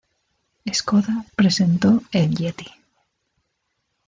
Škoda presentó el Yeti.